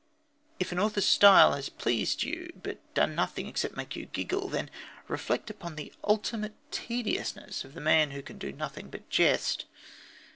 If an author's style has pleased you, but done nothing except make you giggle, then reflect upon the ultimate tediousness of the man who can do nothing but jest.